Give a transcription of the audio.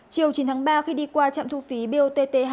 chiều chín tháng ba khi đi qua trạm thu phí bot t hai